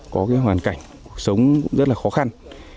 có hoàn cảnh cuộc sống rất là khó khăn